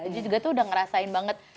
dia juga tuh udah ngerasain banget